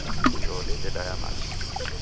Choo dende daya machi.